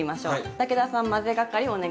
武田さん混ぜ係お願いします。